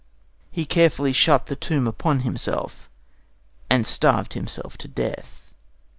He carefully shut the tomb upon himself, and starved himself to death.